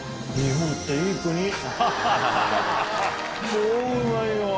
超うまいよ！